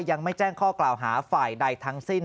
ยังไม่แจ้งข้อกล่าวหาฝ่ายใดทั้งสิ้น